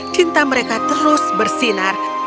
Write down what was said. cinta mereka terus bersinar